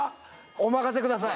お任せください。